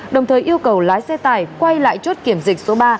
đồng thời yêu cầu lái xe tải quay lại chốt kiểm dịch số ba